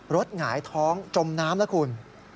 รถหงายท้องจมน้ำนะคุณ